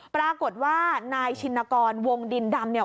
ปรากฏว่านายชินกรวงดินดำ